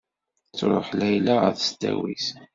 Truḥ Layla ɣer tesdawit.